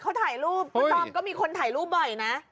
เขาถ่ายรูปดอมก็มีคนถ่ายรูปบ่อยนะ